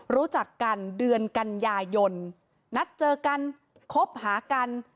รู้จักกันเดือนกันยายนนัดเจอกันคบหากัน